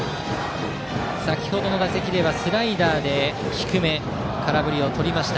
先程の打席ではスライダー低めで空振りをとりました。